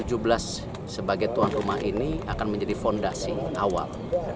u tujuh belas sebagai tuan rumah ini akan menjadi fondasi awal